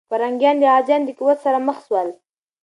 پرنګیان د غازيانو د قوت سره مخ سول.